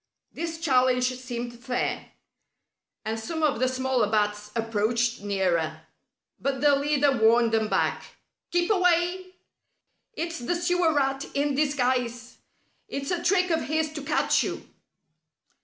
This challenge seemed fair, and some of the smaller bats approached nearer, but the leader warned them back. "Keep away! It's the Sewer Rat in disguise. It's a trick of his to catch you."